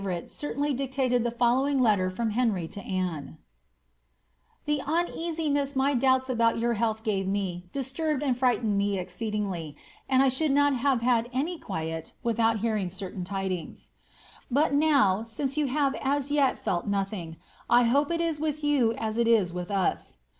Fears for the health of his absent favouiite certainly dictated the fol lowing letter from Henry to Anne :—The uneasiness my doubts about your health gave me disturbed and fright ened me exceedingly, and I should not have had any quiet without hearing ce^ tain tidings. But now, since you have as yet felt nothing. I hope it is with yon as it is with us.